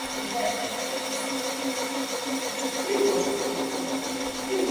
iri katika ofisi ya rais edward maclein